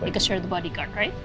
karena kamu penjaga badan kan